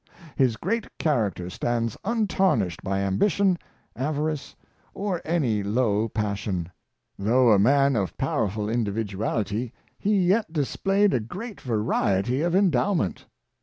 His great character stands untarnished by ambition, avarice, or any low passion. Though a man of pow erful individuality, he yet displayed a great variety of endowment.